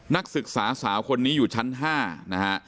นักศึกษาสาวคนนี้อยู่ชั้น๕นะฮะ